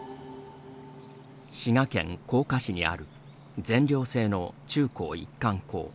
滋賀県甲賀市にある全寮制の中高一貫校。